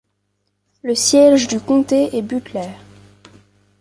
Le siège du comté est Butler.